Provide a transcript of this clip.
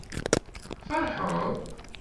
Tferḥeḍ?